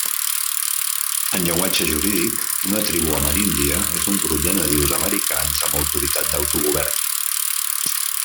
En llenguatge jurídic, una tribu ameríndia és un grup de nadius americans amb autoritat d'autogovern.